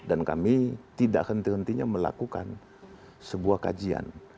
dan kami tidak henti hentinya melakukan sebuah kajian